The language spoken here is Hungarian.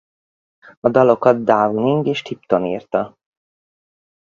A dalokat Downing és Tipton írta.